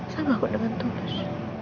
sambah aku dengan tulus